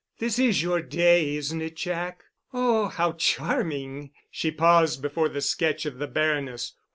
"This is your day, isn't it, Jack? Oh, how charming!" She paused before the sketch of the Baroness.